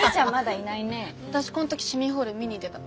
私こん時市民ホール見に行ってた。